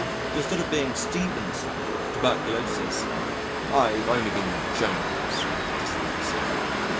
Instead of being Stevenson with tuberculosis, I've only been Jones with dyspepsia.